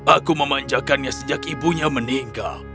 aku memanjakannya sejak ibunya meninggal